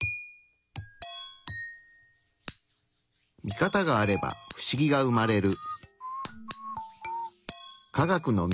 ミカタがあれば不思議が生まれる。